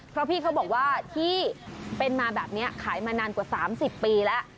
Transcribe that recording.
เพราะพี่เขาบอกว่าที่เป็นมาแบบนี้ขายมานานกว่า๓๐ปีแล้ว